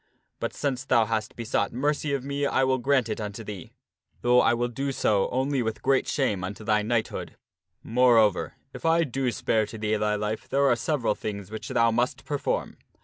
But since thou hast be sought mercy of me I will grant it unto thee, though I will do his injunctions so only with great shame unto thy knighthood. Moreover, \{ upon the fad I spare to thee thy life there are several things which thou must perform.